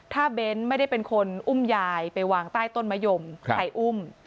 ถ้าเบ้นไม่ได้เป็นคนอุ้มยายไปวางใต้ต้นมะยมใครอุ้ม